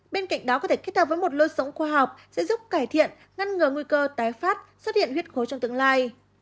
bên cạnh đó có thể kết hợp với một lô sống khoa học sẽ giúp cải thiện ngăn ngừa nguy cơ tái phát xuất hiện huyết khối trong tương lai